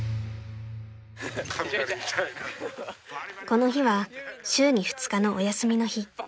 ［この日は週に２日のお休みの日］